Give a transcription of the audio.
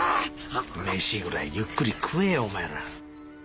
メシぐらいゆっくり食えよお前ら。